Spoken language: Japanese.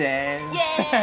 イエイ！